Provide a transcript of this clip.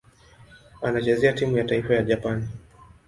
Anachezea timu ya taifa ya Japani.